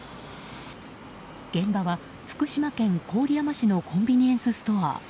現場は福島県郡山市のコンビニエンスストア。